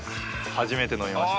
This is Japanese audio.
初めて飲みました。